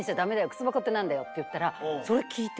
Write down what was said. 靴箱って何だよって言ったらそれ聞いて。